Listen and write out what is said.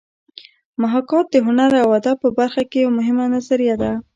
محاکات د هنر او ادب په برخه کې یوه مهمه نظریه ده